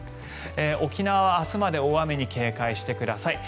沖縄は明日まで大雨に警戒してください。